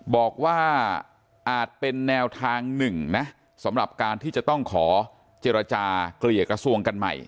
บอกว่าอาจเป็นแนวทางหนึ่งนะสำหรับการที่จะต้องขอเจรจาเกลี่ยกระทรวงกันใหม่